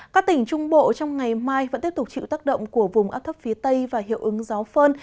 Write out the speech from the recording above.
các tỉnh trung bộ trong ngày mai vẫn tiếp tục chịu tác động của vùng áp thấp phía tây và hiệu ứng gió phơn